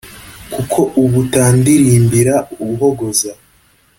Kuko ubu utandirimbira uhogoza